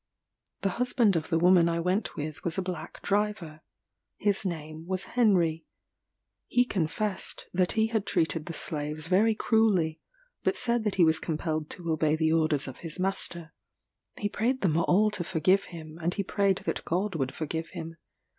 The husband of the woman I went with was a black driver. His name was Henry. He confessed that he had treated the slaves very cruelly; but said that he was compelled to obey the orders of his master. He prayed them all to forgive him, and he prayed that God would forgive him.